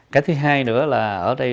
cái thứ hai nữa là ở đây